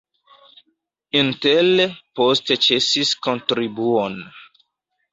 Intel poste ĉesis kontribuon.